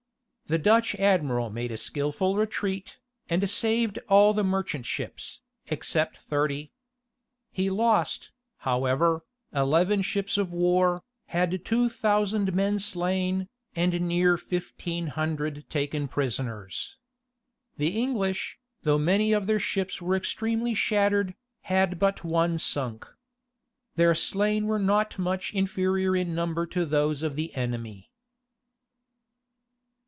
The Dutch admiral made a skilful retreat, and saved all the merchant ships, except thirty. He lost, however, eleven ships of war, had two thousand men slain, and near fifteen hundred taken prisoners. The English, though many of their ships were extremely shattered, had but one sunk. Their slain were not much inferior in number to those of the enemy.